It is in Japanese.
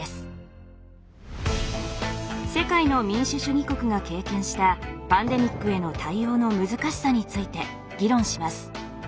世界の民主主義国が経験したパンデミックへの対応の難しさについて議論します。